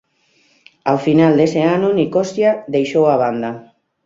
Ao final dese ano Nicosia deixou a banda.